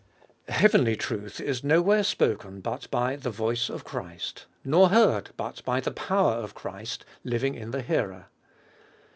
3. "Heavenly truth is nowhere spoken but by the voice of Christ, nor heard but by the power of Christ, living in the hearer."